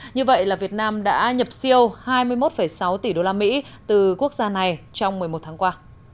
như vậy là việt nam đã nhập siêu hai mươi một sáu tỷ đô la mỹ từ quốc gia này trong một mươi một tháng qua